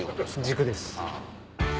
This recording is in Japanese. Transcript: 軸です。